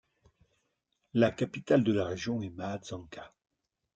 La capitale de la région est Mahajanga.